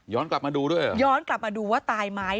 กลับมาดูด้วยเหรอย้อนกลับมาดูว่าตายไหม